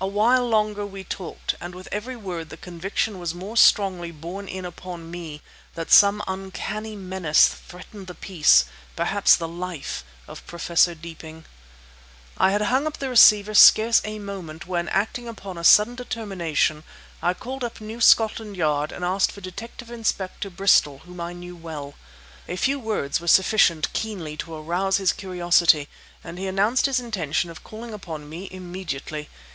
A while longer we talked; and with every word the conviction was more strongly borne in upon me that some uncanny menace threatened the peace, perhaps the life, of Professor Deeping. I had hung up the receiver scarce a moment when, acting upon a sudden determination, I called up New Scotland Yard, and asked for Detective Inspector Bristol, whom I knew well. A few words were sufficient keenly to arouse his curiosity, and he announced his intention of calling upon me immediately.